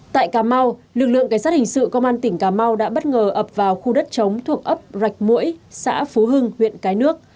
tại cà mau lực lượng cảnh sát hình sự công an tỉnh cà mau đã bất ngờ ập vào khu đất chống thuộc ấp rạch mũi xã phú hưng huyện cái nước